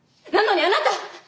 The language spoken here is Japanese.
なのにあなた